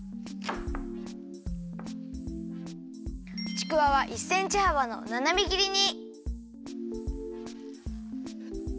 ちくわは１センチはばのななめぎりに。